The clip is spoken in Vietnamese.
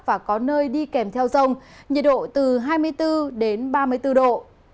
và có nơi đi kèm theo rông nhiệt độ từ hai mươi bốn đến ba mươi bốn độ